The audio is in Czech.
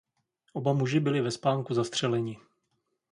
Oba muži byli ve spánku zastřeleni.